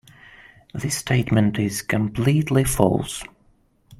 This statement is completely false.